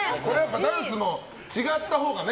ダンスの違ったほうがね。